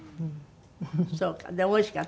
そうか。